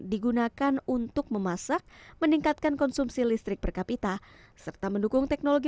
digunakan untuk memasak meningkatkan konsumsi listrik per kapita serta mendukung teknologi